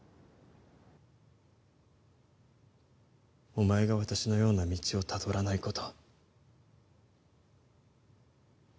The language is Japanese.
お前が私のような道をたどらないこと。